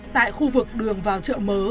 tại khu vực đường vào chợ mớ